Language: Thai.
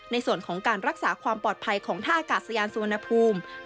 ในส่วนของการรักษาความปลอดภัยของท่าอากาศยานสุวรรณภูมิ